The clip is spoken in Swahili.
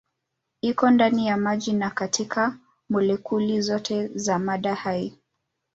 Iko ndani ya maji na katika molekuli zote za mada hai.